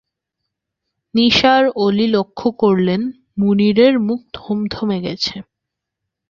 নিসার আলি লক্ষ করলেন, মুনিরের মুখ থমথম করছে।